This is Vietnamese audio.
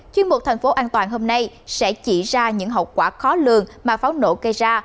chuyên mục thành phố an toàn hôm nay sẽ chỉ ra những hậu quả khó lường mà pháo nổ gây ra